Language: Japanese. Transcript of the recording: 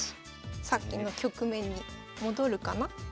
さっきの局面に戻るかな？